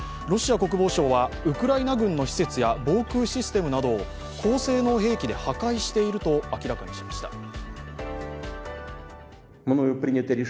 ロシア国防省はウクライナ軍の施設や防空システムなどを高性能兵器で破壊していると明らかにしました。